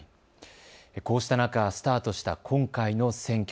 こうした中、スタートした今回の選挙。